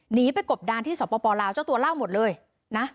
หนีไปกบดานที่สปลาวเจ้าตัวเล่าหมดเลยนะ